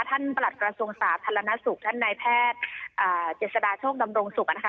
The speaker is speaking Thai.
ท่านประหลัดประสงสาธรรณสุขท่านนายแพทย์เจษฎาโชคดำรงสุข